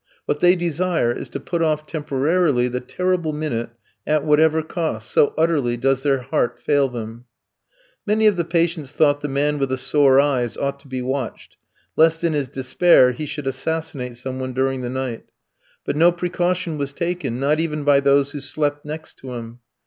What they desire is to put off temporarily the terrible minute at whatever cost, so utterly does their heart fail them. Many of the patients thought the man with the sore eyes ought to be watched, lest in his despair he should assassinate some one during the night; but no precaution was taken, not even by those who slept next to him.